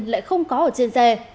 lại không có ở trên xe